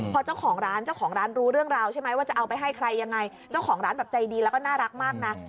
พอเจ้าของร้านเจ้าของร้านรู้เรื่องราวใช่ไหมว่าจะเอาไปให้ใครยังไงเจ้าของร้านแบบใจดีแล้วก็น่ารักมากนะ